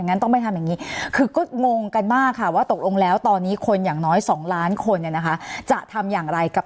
สนับสนุนโดยพี่โพเพี่ยวสะอาดใสไร้คราบ